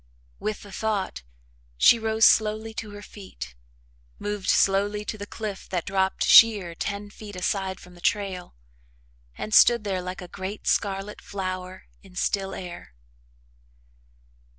With the thought, she rose slowly to her feet, moved slowly to the cliff that dropped sheer ten feet aside from the trail, and stood there like a great scarlet flower in still air.